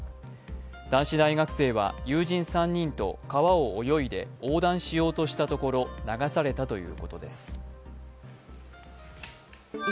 男子大学生は、友人３人と川を泳いで横断しようとしたところ流されたということです。